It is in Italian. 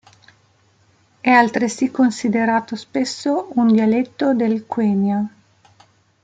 È altresì considerato spesso un dialetto del quenya.